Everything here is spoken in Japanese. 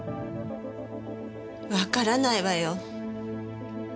わからないわよ。